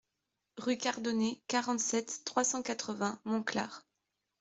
Rue Cardonet, quarante-sept, trois cent quatre-vingts Monclar